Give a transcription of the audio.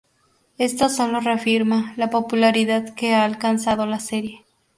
Esto solo reafirma la popularidad que ha alcanzado la serie.